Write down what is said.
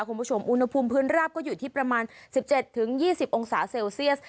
คุณผู้ชมอุณหภูมิพื้นราบก็อยู่ที่ประมาณ๑๗๒๐องศาเซลเซียส